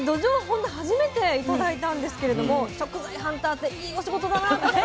ほんと初めて頂いたんですけれども食材ハンターっていいお仕事だなと思って。